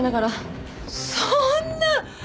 そんな！